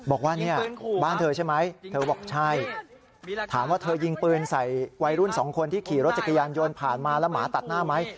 บอกว่าเนี่ยบ้านเธอใช่ไหมเธอบอกใช่ถามว่าเธอยิงปืนใส่วัยรุ่นสองคนที่ขี่รถจักรยานยนต์ผ่านมาแล้วหมาตัดหน้าไหม